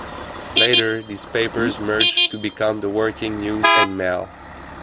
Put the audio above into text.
Later, these papers merged to become the 'Woking News and Mail'.